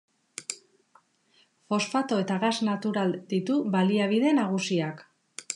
Fosfato eta gas natural ditu baliabide nagusiak.